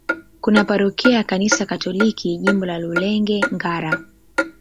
Kuna parokia ya Kanisa Katoliki, Jimbo la Rulenge-Ngara.